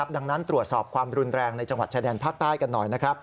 ดังนั้นตรวจสอบความรุนแรงในจังหวัดชายแดนภาคใต้กันหน่อย